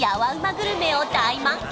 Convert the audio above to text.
グルメを大満喫！